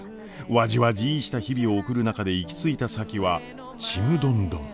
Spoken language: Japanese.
わじわじーした日々を送る中で行き着いた先はちむどんどん。